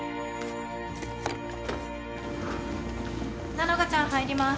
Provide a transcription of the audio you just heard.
ナノカちゃん入ります。